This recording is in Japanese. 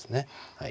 はい。